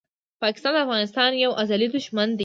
پاکستان د افغانستان یو ازلي دښمن دی!